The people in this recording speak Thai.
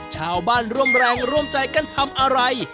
ชาวบ้านร่วมแรงร่วมใจกันทำอะไร